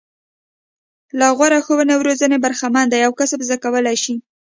له غوره ښوونې او روزنې برخمن دي او کسب زده کولای شي.